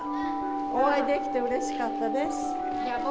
お会いできてうれしかったです。